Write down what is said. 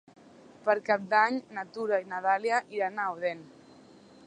Per Cap d'Any na Tura i na Dàlia iran a Odèn.